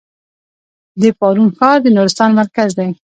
د پارون ښار د نورستان مرکز دی